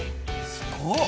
すごっ！